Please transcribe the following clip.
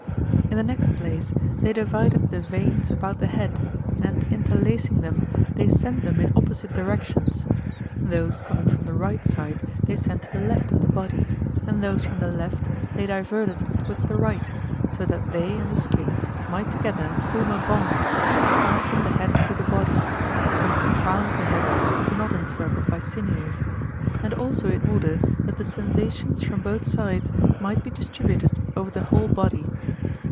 In the next place, they divided the veins about the head, and interlacing them, they sent them in opposite directions; those coming from the right side they sent to the left of the body, and those from the left they diverted towards the right, so that they and the skin might together form a bond which should fasten the head to the body, since the crown of the head was not encircled by sinews; and also in order that the sensations from both sides might be distributed over the whole body.